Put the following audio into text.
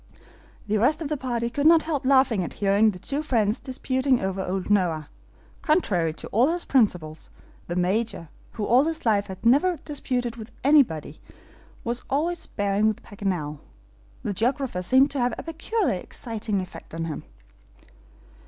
The rest of the party could not help laughing at hearing the two friends disputing over old Noah. Contrary to all his principles, the Major, who all his life had never disputed with anyone, was always sparring with Paganel. The geographer seemed to have a peculiarly exciting effect on him.